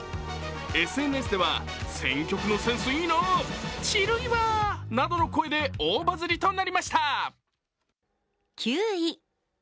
ＳＮＳでは選曲のセンスいいなぁ、チルいわなどの声で大バズりとなりました。